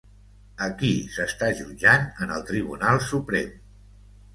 A qui s'està jutjant en el Tribunal Suprem?